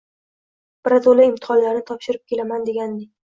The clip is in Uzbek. Birato‘la imtihonlarni topshirib kelaman, deganding